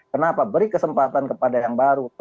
kenapa beri kesempatan kepada yang baru